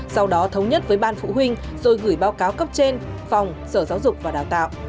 sau đó thống nhất với ban phụ huynh rồi gửi báo cáo cấp trên phòng sở giáo dục và đào tạo